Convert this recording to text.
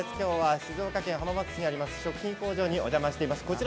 静岡県浜松市にある食品工場にお邪魔しています。